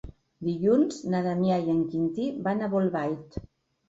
Dilluns na Damià i en Quintí van a Bolbait.